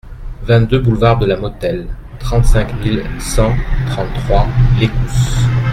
vingt-deux boulevard de la Motelle, trente-cinq mille cent trente-trois Lécousse